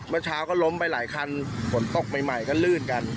เมื่อเช้าก็ล้มไปหลายคันฝนตกใหม่ก็ลื่นกัน